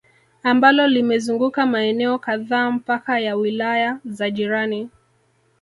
Ambalo limezunguka maeneo kadhaa mpaka ya wilaya za jirani